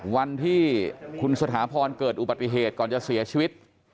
วันที่คุณสถาพรเกิดอุบัติเหตุก่อนจะเสียชีวิต